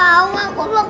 aku mau kesana